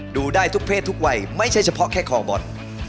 ดูได้ทุกเพศทุกวัยไม่ใช่เฉพาะแค่คอบอล